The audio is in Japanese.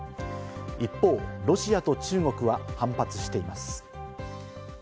一方、ロシアと中国は反発しています。